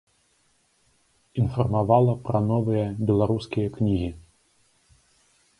Інфармавала пра новыя беларускія кнігі.